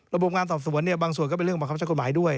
ระบบงานสอบสวนเนี่ยบางส่วนก็เป็นเรื่องบังคับใช้กฎหมายด้วย